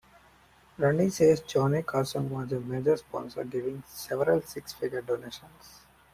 Randi says Johnny Carson was a major sponsor, giving several six-figure donations.